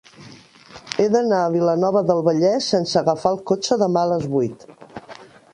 He d'anar a Vilanova del Vallès sense agafar el cotxe demà a les vuit.